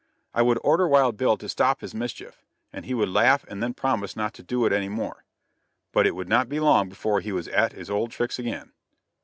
I would order Wild Bill to stop his mischief; he would laugh and then promise not to do it any more. But it would not be long before he was at his old tricks again.